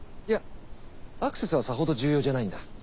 いやアクセスはさほど重要じゃないんだ。